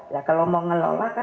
ya kalau mau ngelola kan